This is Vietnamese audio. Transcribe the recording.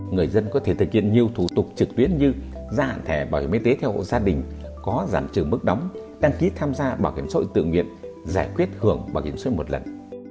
người dân có thể thực hiện nhiều thủ tục trực tuyến như gia hạn thẻ bảo hiểm y tế theo hộ gia đình có giảm trừ mức đóng đăng ký tham gia bảo hiểm xã hội tự nguyện giải quyết hưởng bảo hiểm xã hội một lần